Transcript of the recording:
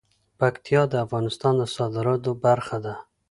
پکتیا د افغانستان د صادراتو برخه ده.